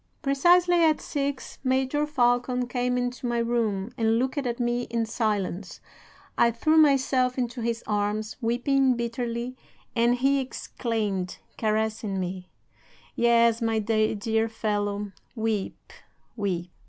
"'Precisely at six Major Falcon came into my room, and looked at me in silence. I threw myself into his arms, weeping bitterly, and he exclaimed, caressing me: "'"Yes, my dear fellow, weep, weep."'"